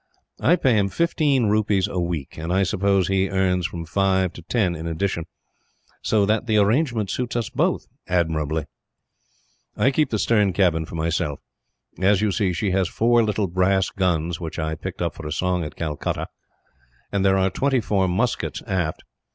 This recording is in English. I pay him fifteen rupees a week, and I suppose he earns from five to ten in addition; so that the arrangement suits us both, admirably. "I keep the stern cabin for myself. As you see, she has four little brass guns, which I picked up for a song at Calcutta; and there are twenty four muskets aft.